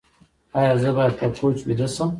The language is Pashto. ایا زه باید په کوچ ویده شم؟